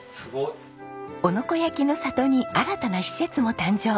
男ノ子焼の里に新たな施設も誕生。